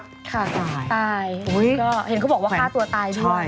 ฆ่าตายตายก็เห็นเขาบอกว่าฆ่าตัวตายด้วย